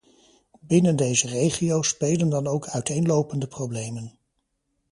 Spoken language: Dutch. Binnen deze regio's spelen dan ook uiteenlopende problemen.